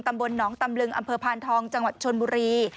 ตำบลหนองตำลึงอำเภอพานทองจังหวัดชนบุรี